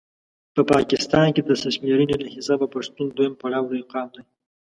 په پاکستان کې د سر شميرني له حسابه پښتون دویم پړاو لوي قام دی